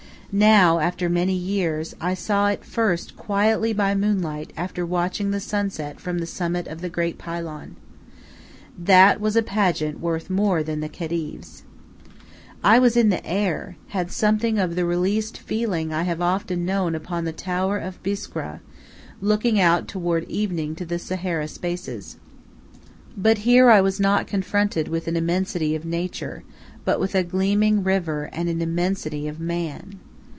Now, after many years, I saw it first quietly by moonlight after watching the sunset from the summit of the great pylon. That was a pageant worth more than the Khedive's. I was in the air; had something of the released feeling I have often known upon the tower of Biskra, looking out toward evening to the Sahara spaces. But here I was not confronted with an immensity of nature, but with a gleaming river and an immensity of man.